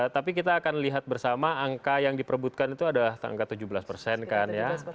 tapi kita akan lihat bersama angka yang diperbutkan itu adalah angka tujuh belas persen kan ya